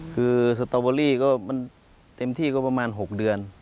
คือสตาร์เบอรี่เต็มที่ก็ประมาณ๖เดือน